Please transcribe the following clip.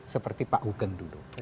seperti pak hugeng dulu